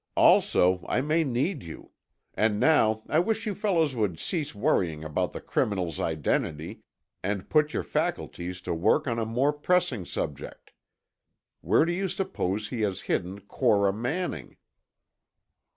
Also, I may need you. And now I wish you fellows would cease worrying about the criminal's identity and put your faculties to work on a more pressing subject. Where do you suppose he has hidden Cora Manning?"